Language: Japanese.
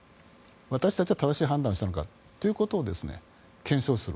私たちは正しい判断をしたのかということを検証する。